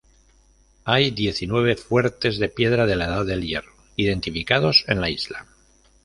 Hay diecinueve fuertes de piedra de la Edad del Hierro identificados en la isla.